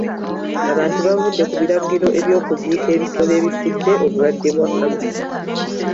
Abantu bavudde ku biragiro eby'okuziika ebisolo ebifudde obulwadde bwa kalusu.